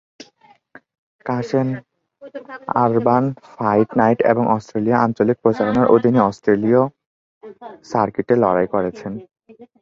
Kasem urban fight night এবং Australia আঞ্চলিক প্রচারণার অধীনে অস্ট্রেলীয় সার্কিটে লড়াই করেছেন।